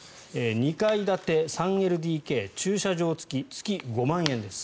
２階建て３ＬＤＫ駐車場付き月５万円です。